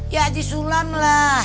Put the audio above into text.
ya aji sulam lah